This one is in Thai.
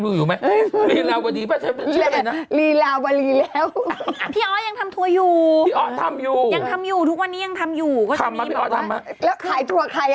หิมทำไมเป็นเพชรปอมไม่รู้อ่ะเขาหมายถึงคนดีหรือเปล่า